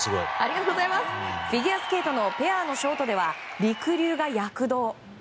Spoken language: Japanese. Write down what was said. フィギュアスケートのペアのショートではりくりゅうが躍動。